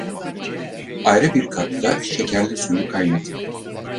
Ayrı bir kapta şekerli suyu kaynatın.